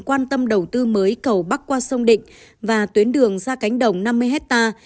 quan tâm đầu tư mới cầu bắc qua sông định và tuyến đường ra cánh đồng năm mươi hectare